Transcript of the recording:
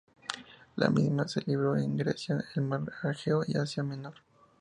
La misma se libró en Grecia, el mar Egeo y Asia Menor.